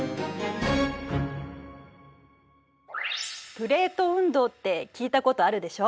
「プレート運動」って聞いたことあるでしょ？